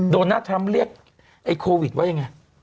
โดนหน้าทำเรียกไอ้โควิดว่ายังไง